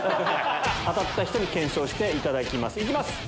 当たった人に検証していただきます。